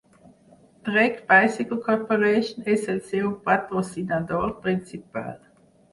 Trek Bicycle Corporation és el seu patrocinador principal.